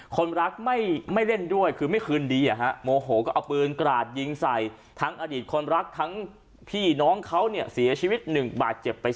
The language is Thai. คนรักไม่เล่นด้วยคือไม่คืนดีโมโหก็เอาปืนกราดยิงใส่ทั้งอดีตคนรักทั้งพี่น้องเขาเนี่ยเสียชีวิต๑บาทเจ็บไป